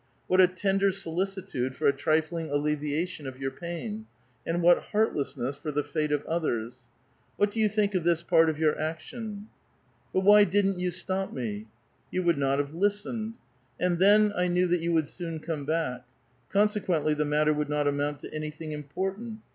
What a tender solicitude for a trifling alleviation of your pain, and what heartlessness for the fate of others! What do you think of this part of yoxxv action ?"'' But why didn't you stop me? "'' You would not have listened. And then, I knew that you would soon come back. Consequently the matter would not amount to anything important.